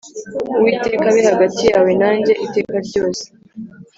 Uwiteka abe hagati yawe nanjye iteka ryose.